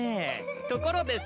ところでさ。